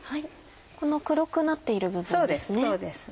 この黒くなっている部分ですね。